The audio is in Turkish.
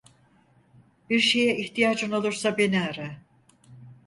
Bir şeye ihtiyacın olursa beni ara.